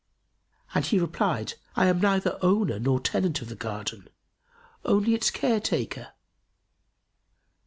and he replied, "I am neither owner nor tenant of the garden, only its care taker."